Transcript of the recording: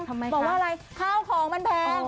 บอกว่าอะไรข้าวของมันแพง